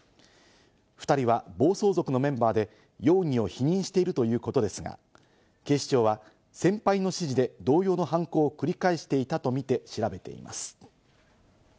２人は暴走族のメンバーで、容疑を否認しているということですが、警視庁は先輩の指示で同様の犯行を繰り返していたとみて調べています。